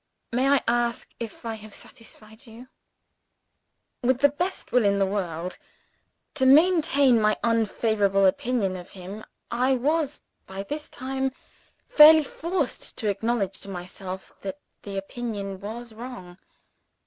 May I ask if I have satisfied you?" With the best will in the world to maintain my unfavorable opinion of him, I was, by this time, fairly forced to acknowledge to myself that the opinion was wrong.